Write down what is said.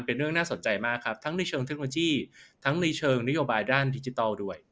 เป็นเรื่องน่าสนใจมากครับทั้งในเชิงเทคโนโลยีทั้งในเชิงนโยบายด้านดิจิทัลด้วย